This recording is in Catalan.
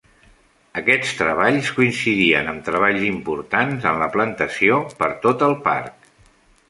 Aquests treballs coincidien amb treballs importants en la plantació per tot el parc.